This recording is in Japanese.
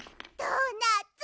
ドーナツ！